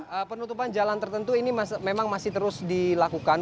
ya penutupan jalan tertentu ini memang masih terus dilakukan